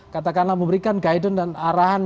katakanlah memberikan guidance dan arahan